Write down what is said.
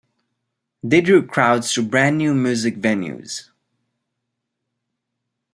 They drew crowds to brand new music venues.